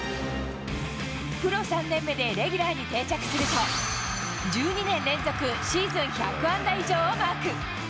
プロ３年目でレギュラーに定着すると、１２年連続シーズン１００安打以上をマーク。